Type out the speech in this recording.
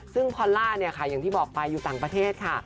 ซึ่งพอลล่าเนี่ยค่ะอย่างที่บอกไปอยู่ต่างประเทศค่ะ